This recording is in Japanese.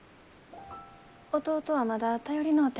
弟はまだ頼りのうて。